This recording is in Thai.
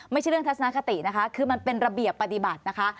ไม่ใช่เรื่องทัศนคตินะคะคือมันเป็นระเบียบปฏิบัตินะคะ